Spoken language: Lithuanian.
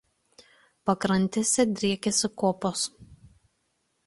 Pakrantėse driekiasi kopos.